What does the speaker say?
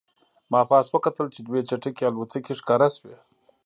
ما پاس وکتل چې دوې چټکې الوتکې ښکاره شوې